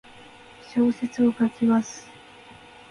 小説を書きます。